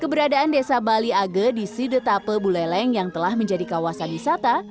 keberadaan desa bali age di sidetape buleleng yang telah menjadi kawasan wisata